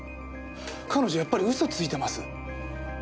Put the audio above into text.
彼女やっぱり嘘ついてます。